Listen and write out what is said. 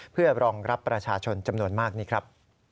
เพื่อรองรับประชาชนจำนวนมากนี้ครับ